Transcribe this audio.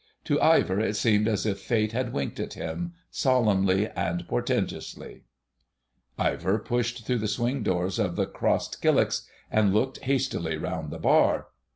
To Ivor it seemed as if Fate had winked at him, solemnly and portentously. Ivor pushed through the swing doors of the "Crossed Killicks" and looked hastily round the bar.